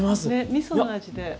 みその味で。